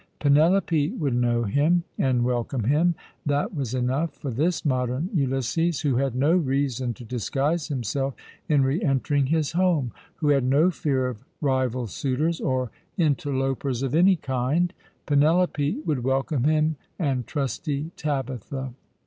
Penelope would know^^him, and welcome him. That was enough for this modern Ulysses, who had no reason to disguise himself in re entering his home — who had no fear of rival suitors, or interlopers of any kind. Penelope would welcome him, and trusty Tabitha.